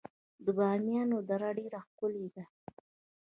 د بامیان دره ډیره ښکلې ده